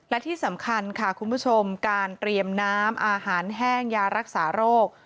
และที่สำคัญค่ะคุณผู้ชมการเตรียมน้ำอาหารแห้งยารักษาโรค